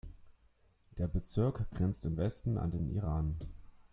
Der Bezirk grenzt im Westen an den Iran.